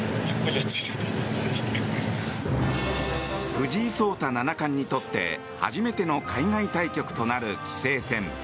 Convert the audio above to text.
藤井聡太七冠にとって初めての海外対局となる棋聖戦。